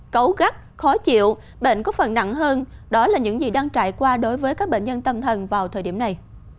cấu gắt khó chịu bệnh có phần nặng hơn đó là những gì đang trải qua đối với các bệnh nhân tâm thần vào thời điểm này